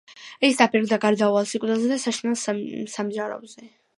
ის დაფიქრდა გარდაუვალ სიკვდილზე და საშინელ სამსჯავროზე.